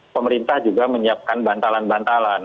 pemerintah juga menyiapkan bantalan bantalan